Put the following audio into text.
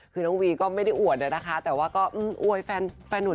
คือน้องวีก็ไม่ได้อวดนะคะแต่ว่าก็อวยแฟนหนุ่ม